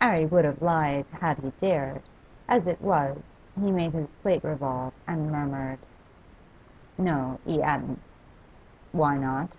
'Arry would have lied had he dared; as it was, he made his plate revolve, and murmured, 'No; he 'adn't.' 'Why not?